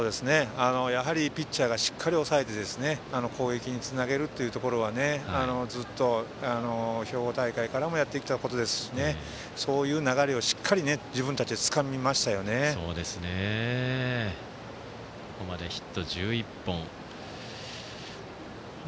やはりピッチャーがしっかり抑えて攻撃につなげるというところはずっと兵庫大会からもやってきたことですしそういう流れをここまでヒット１１本。